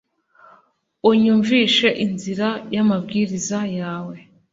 Unyumvishe inzira y’amabwiriza yawe